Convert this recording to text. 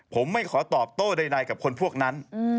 ผมไม่ขอตอบโต้ใดกับคนพวกนั้น